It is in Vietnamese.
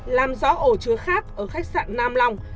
làm gió ổ chứa khác ở khách sạn nam long